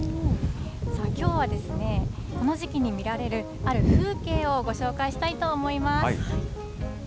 きょうはですね、この時期に見られるある風景をご紹介したいと思います。